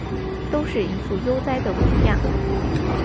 都是一副悠哉的模样